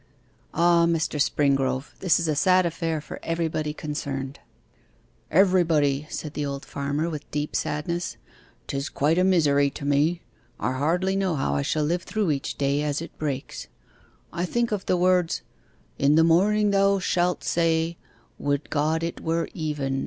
'Ah, Mr. Springrove, this is a sad affair for everybody concerned.' 'Everybody,' said the old farmer, with deep sadness, ''tis quite a misery to me. I hardly know how I shall live through each day as it breaks. I think of the words, "In the morning thou shalt say, Would God it were even!